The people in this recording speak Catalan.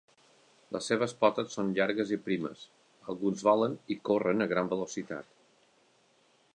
Les seves potes són llargues i primes, alguns volen i corren a gran velocitat.